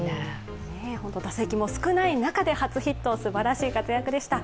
打席も少ない中で初ヒット、すばらしい戦いでした。